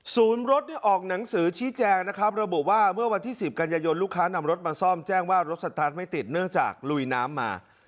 รถออกหนังสือชี้แจงนะครับระบุว่าเมื่อวันที่๑๐กันยายนลูกค้านำรถมาซ่อมแจ้งว่ารถสตาร์ทไม่ติดเนื่องจากลุยน้ำมา